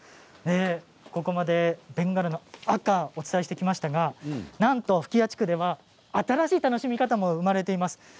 ここまでベンガラの赤お伝えしてきましたがなんと吹屋地区では新しい楽しみ方も生まれています。